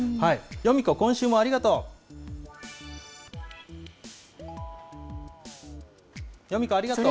ヨミ子、今週もありがとう。